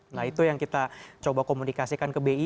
nah itu yang kita coba komunikasikan ke bi